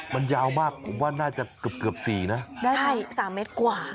มันยาวมากผมว่าน่าจะเกือบ๔นะได้๓เม็ดกว่า